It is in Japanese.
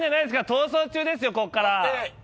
「逃走中」ですよ、ここから。